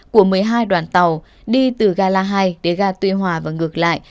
của một mươi hai đoàn tàu đi từ ga la hai đến ga tuy hòa và ngược lại